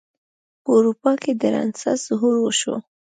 په اروپا کې د رنسانس ظهور وشو.